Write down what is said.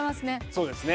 そうですね。